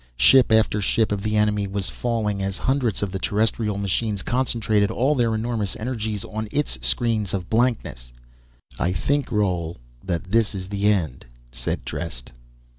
Ship after ship of the enemy was falling, as hundreds of the terrestrial machines concentrated all their enormous energies on its screen of blankness. "I think, Roal, that this is the end," said Trest.